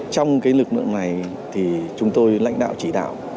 trong cái lực lượng này thì chúng tôi lãnh đạo chính phủ